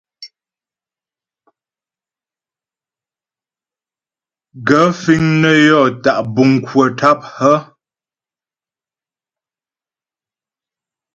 Gaə̂ fíŋ nə́ yɔ́ tá' buŋ kwə̀ tâp hə́ ?